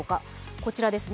こちらですね。